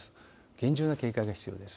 厳重な警戒が必要です。